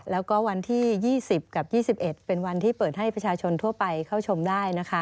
แล้วก็วันที่๒๐กับ๒๑เป็นวันที่เปิดให้ประชาชนทั่วไปเข้าชมได้นะคะ